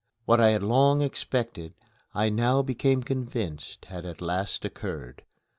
What I had long expected I now became convinced had at last occurred.